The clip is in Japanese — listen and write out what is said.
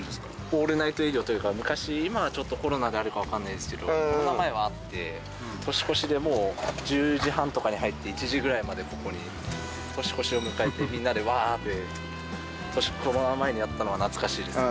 オールナイト営業というか昔今はちょっとコロナであるかわかんないですけどコロナ前はあって年越しでもう１０時半とかに入って１時ぐらいまでここに年越しを迎えてみんなでワーッてコロナ前にやったのが懐かしいです